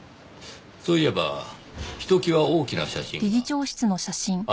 そういえばひときわ大きな写真が。